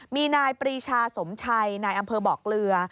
มีนายปีชาสมชัยอำเภอบอกเรือ